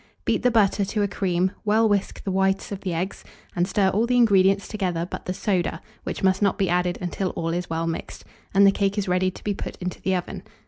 Beat the butter to a cream, well whisk the whites of the eggs, and stir all the ingredients together but the soda, which must not be added until all is well mixed, and the cake is ready to be put into the oven.